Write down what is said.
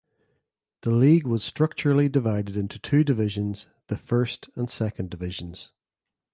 The league was structurally divided into two divisions the First and Second divisions.